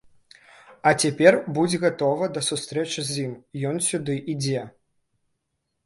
А цяпер будзь гатова да сустрэчы з ім, ён сюды ідзе.